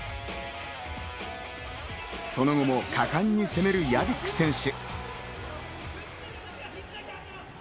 その後も果敢に攻める屋比久選手。